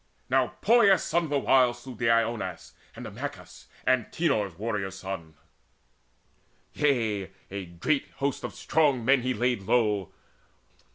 Now Poeas' son the while slew Deioneus And Acamas, Antenor's warrior son: Yea, a great host of strong men laid he low.